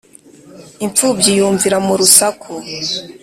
Impfubyi yunvira mu rusaku.